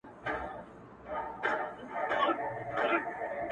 هغوی د پېښي انځورونه اخلي,